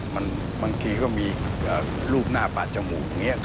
มันบางทีก็มีลูกหน้าปลาจมูงอย่างเงี้ย